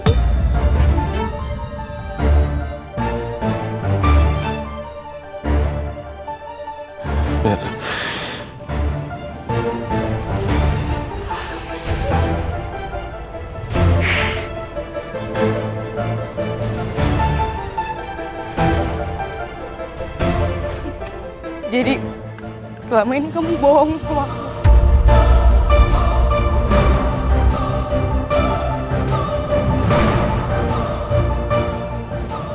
jadi selama ini kamu bohong sama aku